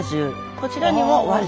こちらにも「輪中」。